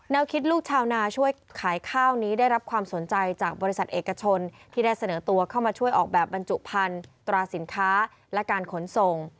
คิดลูกชาวนาช่วยขายข้าวนี้ได้รับความสนใจจากบริษัทเอกชนที่ได้เสนอตัวเข้ามาช่วยออกแบบบรรจุพันธุ์ตราสินค้าและการขนส่ง